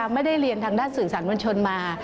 ไม่ได้เรียนทางด้านสื่อสารมวลชนมา